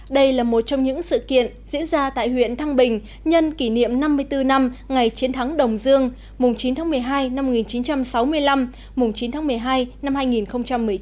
đây là một trong những sự kiện diễn ra tại huyện thăng bình nhân kỷ niệm năm mươi bốn năm ngày chiến thắng đồng dương chín tháng một mươi hai năm một nghìn chín trăm sáu mươi năm chín tháng một mươi hai năm hai nghìn một mươi chín